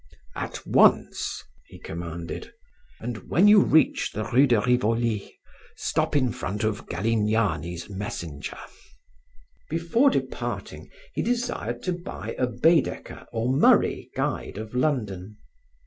"At once!" he commanded. "And when you reach the rue de Rivoli, stop in front of Galignani's Messenger." Before departing, he desired to buy a Baedeker or Murray guide of London.